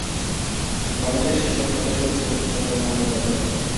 কমিটির সকল সদস্যই ছিলেন সরকার মনোনীত।